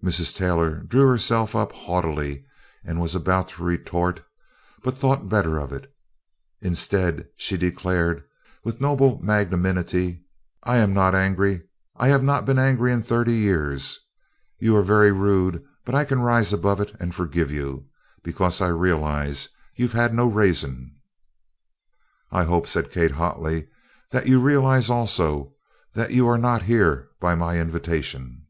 Mrs. Taylor drew herself up haughtily and was about to retort, but thought better of it. Instead, she declared with noble magnanimity: "I am not angery. I have not been angery in thirty years. You are very rude, but I can rise above it and forgive you, because I realize you've had no raising." "I hope," said Kate hotly, "that you realize also that you are not here by my invitation."